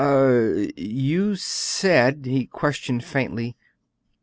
"Er you said " he questioned faintly.